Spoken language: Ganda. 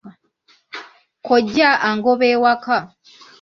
Kkojja angoba ewaka.